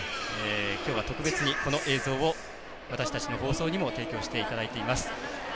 きょうは特別にこの映像を私たちの放送にも提供していただいています。